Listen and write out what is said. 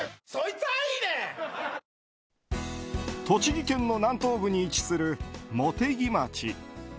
栃木県の南東部に位置する茂木町。